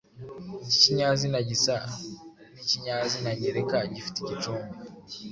Iki kinyazina gisa n’ikinyazina nyereka gifite igicumbi